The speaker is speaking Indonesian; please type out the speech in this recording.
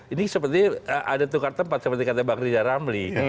ini seperti ada tukar tempat seperti kata pak gwery ya ramli